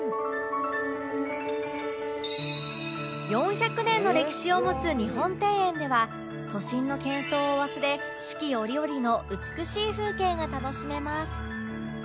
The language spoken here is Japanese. ４００年の歴史を持つ日本庭園では都心の喧騒を忘れ四季折々の美しい風景が楽しめます